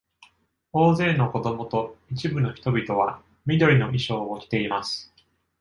大勢の子供と一部の人々は、緑の衣装を着ています。